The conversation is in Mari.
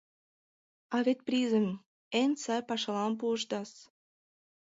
А вет призым эн сай пашалан пуышдас.